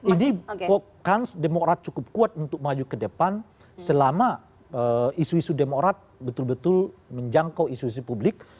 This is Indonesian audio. ini pokans demokrat cukup kuat untuk maju ke depan selama isu isu demokrat betul betul menjangkau isu isu publik